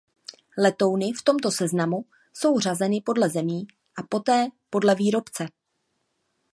Letouny v tomto seznamu jsou řazeny podle zemí a poté podle výrobce.